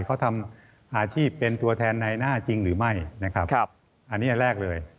เขาทำอาชีพเป็นตัวแทนในหน้าจริงหรือไม่นะครับอันนี้อันแรกเลย